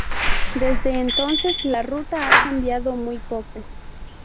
Desde entonces, la ruta ha cambiado muy poco.